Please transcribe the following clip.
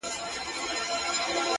خدايه له بـهــاره روانــېــږمه،